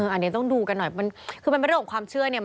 อันนี้ต้องดูกันหน่อยคือมันไม่รู้สึกว่าความเชื่อเนี่ย